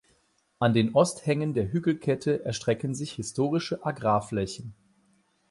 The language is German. An den Osthängen der Hügelkette erstrecken sich historische Agrarflächen.